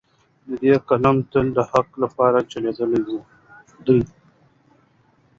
د ده قلم تل د حق لپاره چلیدلی دی.